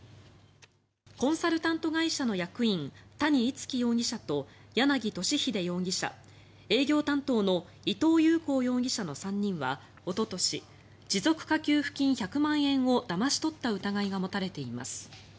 コンサルタント会社の役員谷逸輝容疑者と柳俊秀容疑者、営業担当の伊藤勇孝容疑者の３人はおととし持続化給付金１００万円をだまし取った疑いが持たれています。